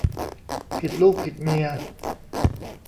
ผิดลูกผิดเมีย